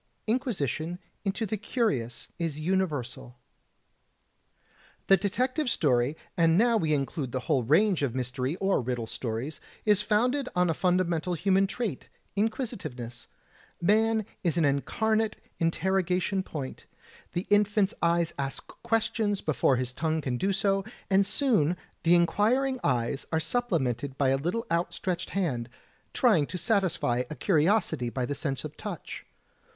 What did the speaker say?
Inquisition into the Curious is Universal The detective story, and now we include the whole range of mystery or riddle stories, is founded on a fundamental human trait, inquisitiveness. Man is an incarnate interroga tion point. The infant's eyes ask questions before his tongue can do so, and soon the inquiring eyes are supplemented by a little outstretched hand, trying to satisfy a curiosity by the THE ETERNAL CURIOUS 3 sense of touch.